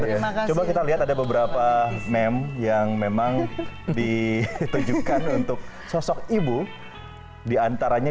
terima kasih kita lihat ada beberapa mem yang memang ditujukan untuk sosok ibu diantaranya